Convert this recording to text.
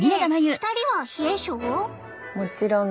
２人は冷え症？